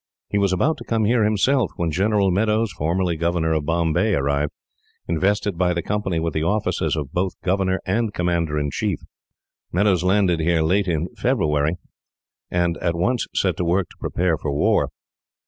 He was about to come here himself, when General Meadows, formerly Governor of Bombay, arrived, invested by the Company with the offices of both governor and of commander in chief. "He landed here late in February, and at once set to work to prepare for war.